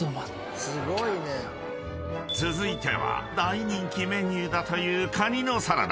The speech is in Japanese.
［続いては大人気メニューだというカニのサラダ］